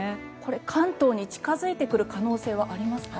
関東に近付いてくる可能性はありますか？